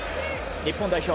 日本代表